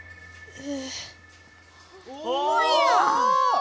え！